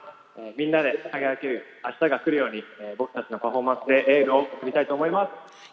みんなで輝ける明日がくるように僕たちのパフォーマンスでエールを送りたいと思います。